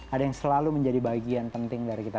ada yang selalu menjadi bagian penting dari kita